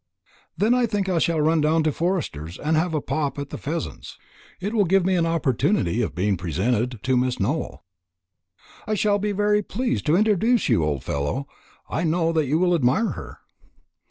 "Then I think I shall run down to Forster's, and have a pop at the pheasants. It will give me an opportunity of being presented to Miss Nowell." "I shall be very pleased to introduce you, old fellow. I know that you will admire her."